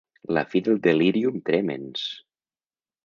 La fi del delírium trèmens.